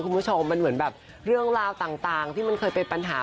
คุณผู้ชมมันเป็นเรื่องราวต่างที่เคยมันมีปัญหา